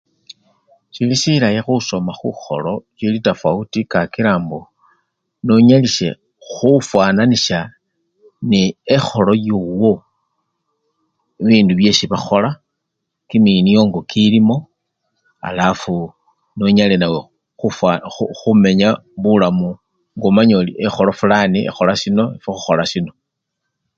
sili silayi khusoma khukholo chili tafauti kakila mbo nyonyalishe hufananisha ne eholo yowo bibindu byesi bahola, kiminyongo kilimo alafu nyo nyale nawe khufananya khukhu khumenya bulamu ngo omanya ori ekholo fulani ekhola siino, fwe khukhola siino